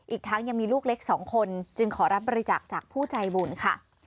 อีกทั้งยังมีลูกเล็ก๒คนจึงขอรับบริจาคจากผู้ใจบุญค่ะ